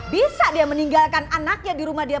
bisa dia meninggalkan anaknya di rumah dia